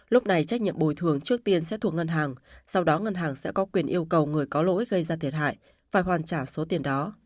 lúc này trách nhiệm bồi thường trước tiên sẽ thuộc ngân hàng sau đó ngân hàng sẽ có quyền yêu cầu người có lỗi gây ra thiệt hại phải hoàn trả số tiền đó